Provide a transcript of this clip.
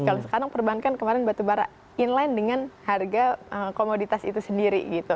kalau sekarang perbankan kemarin batubara inline dengan harga komoditas itu sendiri gitu